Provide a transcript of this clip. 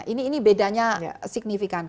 ini bedanya signifikan